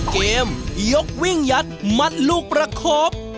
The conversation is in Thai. เกมยกวิ่งยัดมัดลูกประคบ